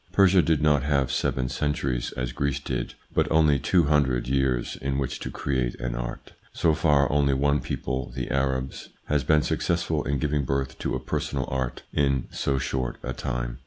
Persia did not have seven cen turies, as Greece did, but only two hundred years, in which to create an art. So far only one people, the Arabs, has been successful in giving birth to a personal art in so short a time.